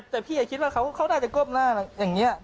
แต่พี่คิดว่าเขาน่าจะก้มหน้าอย่างนี้